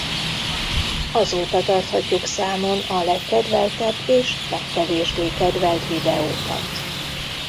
Azóta tarthatjuk számon a legkedveltebb és legkevésbé kedvelt videókat.